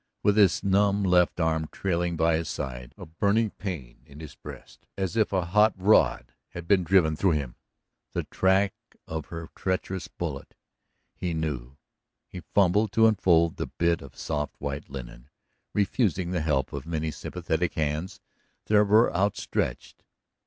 With his numb left arm trailing by his side, a burning pain in his breast, as if a hot rod had been driven through him, the track of her treacherous bullet, he knew, he fumbled to unfold the bit of soft white linen, refusing the help of many sympathetic hands that were out stretched.